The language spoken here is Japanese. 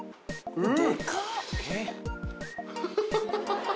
うん！